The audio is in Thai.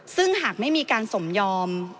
ซึ่งหากไม่มีการสมยอม